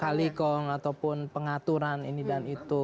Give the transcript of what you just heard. kalikong ataupun pengaturan ini dan itu